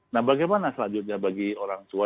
nah bagaimana selanjutnya bagi orang tua